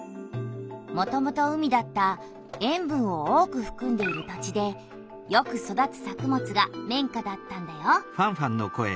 もともと海だった塩分を多くふくんでいる土地でよく育つ作物が綿花だったんだよ。